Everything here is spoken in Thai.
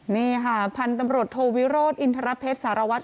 นี่ค่ะพันธุ์ตำรวจโทวิโรธอินทรเพชรสารวัตร